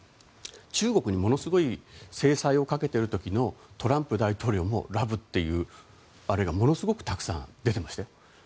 中国に、ものすごい制裁をかけている時のトランプ大統領もラブっていうのがものすごくたくさん出てましたよ。